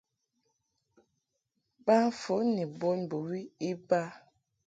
Ba fon ni bon bɨwi iba.